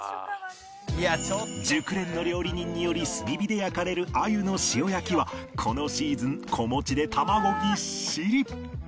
熟練の料理人により炭火で焼かれる鮎の塩焼きはこのシーズン子持ちで卵ぎっしり